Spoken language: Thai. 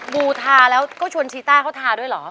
บูทาแล้วก็ชวนชีต้าเขาทาด้วยเหรอ